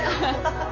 ハハハ。